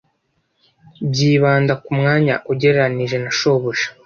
byibanda kumwanya ugereranije na shobuja